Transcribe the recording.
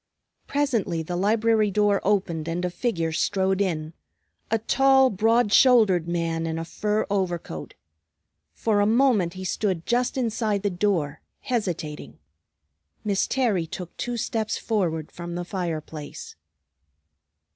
Presently the library door opened and a figure strode in; a tall, broad shouldered man in a fur overcoat. For a moment he stood just inside the door, hesitating. Miss Terry took two steps forward from the fire place.